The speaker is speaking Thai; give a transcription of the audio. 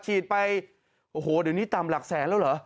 ฉีดไปโอ้โหเดี๋ยวนี้ต่ำหลักแสนแล้วเหรอ